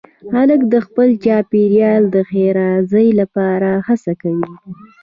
هلک د خپل چاپېریال د ښېرازۍ لپاره هڅه کوي.